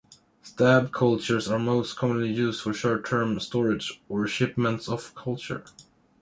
Stab cultures are most commonly used for short-term storage or shipment of cultures.